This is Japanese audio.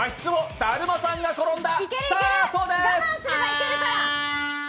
だるまさんがころんだ。